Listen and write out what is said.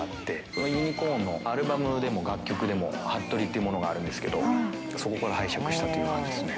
そのユニコーンのアルバムでも楽曲でも服部っていうものがあるんですけど、そこから拝借したという感じですね。